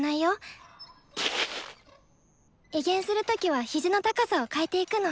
移弦する時は肘の高さを変えていくの。